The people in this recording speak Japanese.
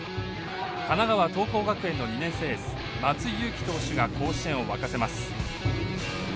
神奈川桐光学園の２年生エース松井裕樹投手が甲子園を沸かせます。